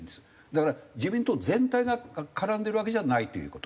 だから自民党全体が絡んでるわけじゃないという事。